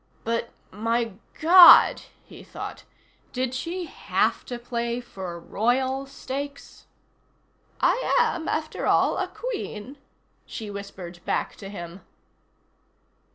But my God! he thought. Did she have to play for royal stakes? "I am, after all, a Queen," she whispered back to him.